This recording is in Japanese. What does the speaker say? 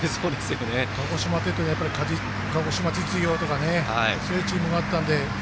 鹿児島というと鹿児島実業とかそういうチームがあったので。